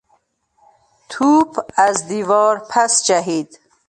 توپ از دیوار پس جهید.